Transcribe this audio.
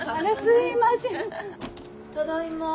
ただいま。